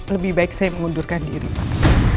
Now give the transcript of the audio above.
lebih baik saya mengundurkan diri pak